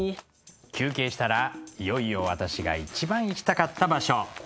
休憩したらいよいよ私が一番行きたかった場所